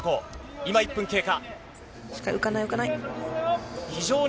今、１分経過。